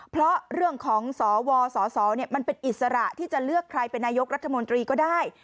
เพราะเรื่องของสวสสมันเป็นอิสระที่จะเลือกใครเป็นนายกรัฐมนตรีก็ได้